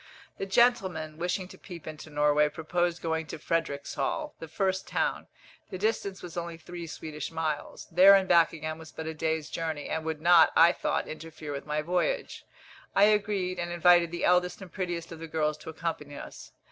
The gentlemen, wishing to peep into Norway, proposed going to Fredericshall, the first town the distance was only three Swedish miles. There and back again was but a day's journey, and would not, I thought, interfere with my voyage. I agreed, and invited the eldest and prettiest of the girls to accompany us.